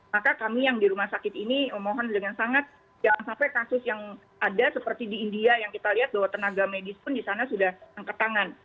maka kami yang di rumah sakit ini memohon dengan sangat jangan sampai kasus yang ada seperti di india yang kita lihat bahwa tenaga medis pun di sana sudah angkat tangan